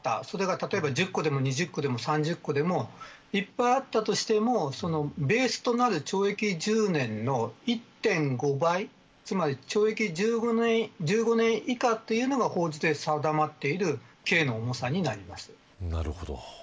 例えば１０個でも２０個でも３０個でもいっぱいあったとしてもベースとなる懲役１０年の１．５倍つまり懲役１５年以下というのが法律で定まっているなるほど。